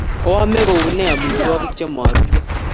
Oame kou ne amitwogik che maruryo?